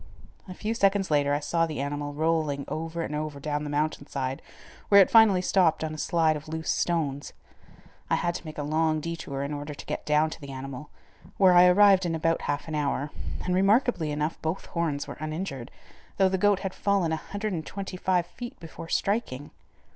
A few seconds later I saw the animal rolling over and over down the mountain side, where it finally stopped on a slide of loose stones. I had to make a long detour in order to get down to the animal, where I arrived in about half an hour, and, remarkably enough, both horns were uninjured, though the goat had fallen 125 feet before striking.